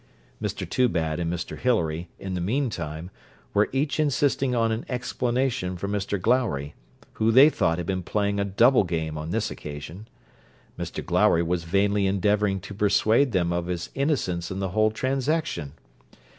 Mr Toobad and Mr Hilary, in the mean time, were each insisting on an explanation from Mr Glowry, who they thought had been playing a double game on this occasion. Mr Glowry was vainly endeavouring to persuade them of his innocence in the whole transaction.